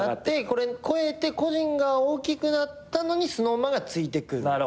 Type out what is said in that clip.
これ超えて個人が大きくなったのにＳｎｏｗＭａｎがついてくるぐらいの。